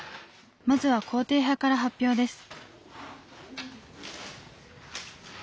まずは肯定派から発表です。